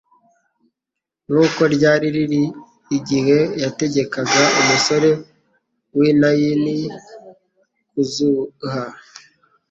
nk'uko ryari riri igihe yategekaga umusore w'i Naini kuzuha.